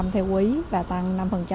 theo quý và tăng năm